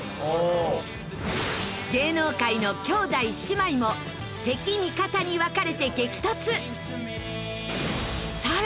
芸能界の兄弟・姉妹も敵味方に分かれて激突！